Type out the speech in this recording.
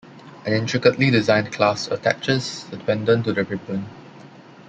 An intricately designed clasp attaches the pendant to the ribbon.